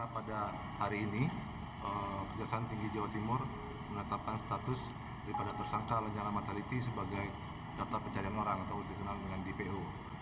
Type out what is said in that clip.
pada hari ini kejaksaan tinggi jawa timur menetapkan status daripada tersangka lanyala mataliti sebagai daftar pencarian orang atau dikenal dengan dpo